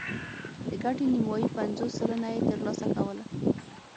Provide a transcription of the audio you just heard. د ګټې نیمايي پنځوس سلنه یې ترلاسه کوله